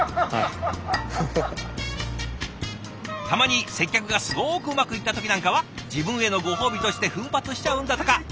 たまに接客がすごくうまくいった時なんかは自分へのご褒美として奮発しちゃうんだとか。